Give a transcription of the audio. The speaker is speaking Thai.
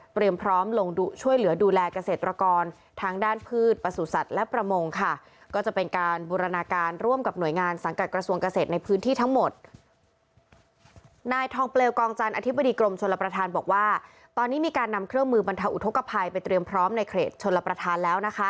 เตรียมพร้อมลงดุช่วยเหลือดูแลเกษตรประกอลทั้งด้านพืชประสุทธิ์สัตว์และประมงค่ะ